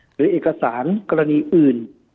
หรือเอกสารกรณีอื่น